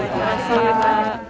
terima kasih pak